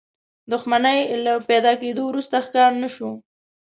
دښمنۍ له پيدا کېدو وروسته ښکار نه شو.